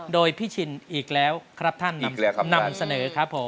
โดยพี่ชินอีกแล้วครับท่านนำเสนอครับผม